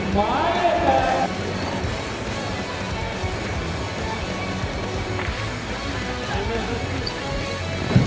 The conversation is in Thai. สวัสดีครับ